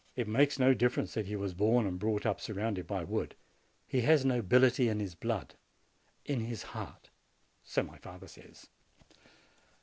It makes no difference that he was born and brought up surrounded by wood: he has nobility in his blood, in his heart, so my father says.